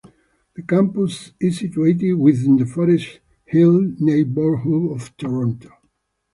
The campus is situated within the Forest Hill neighborhood of Toronto.